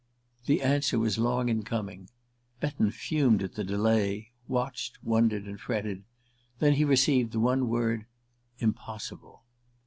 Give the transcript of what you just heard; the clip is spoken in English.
... The answer was long in coming. Betton fumed at the delay, watched, wondered, fretted; then he received the one word "Impossible."